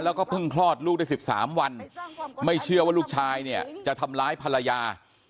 แล้วก็เพิ่งคลอดลูกได้๑๓วันไม่เชื่อว่าลูกชายเนี่ยจะทำร้ายภรรยา